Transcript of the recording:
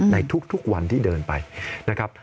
ในทุกวันที่เดินไปนะครับ